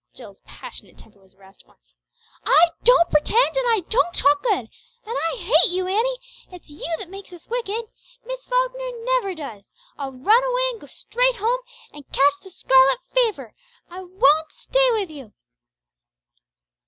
Jill's passionate temper was aroused at once. "I don't pretend, and I don't talk good! And I hate you, Annie! It's you that make us wicked! Miss Falkner never does! I'll run away, and go straight home, and catch the scarlet fever! I won't stay with you!"